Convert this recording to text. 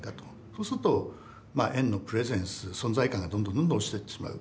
そうすると円のプレゼンス存在感がどんどんどんどん落ちてってしまう。